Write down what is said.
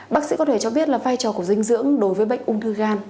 bác sĩ có thể cho biết là vai trò của dinh dưỡng đối với bệnh ung thư gan